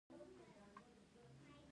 ژبې د افغانانو د معیشت سرچینه ده.